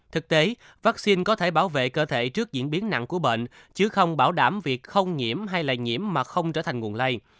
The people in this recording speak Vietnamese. thực tế vaccine có thể bảo vệ cơ thể trước diễn biến nặng của bệnh chứ không bảo đảm việc không nhiễm hay lây nhiễm mà không trở thành nguồn lây